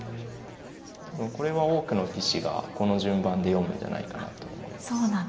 多分これは多くの棋士がこの順番で読むんじゃないかなと思います。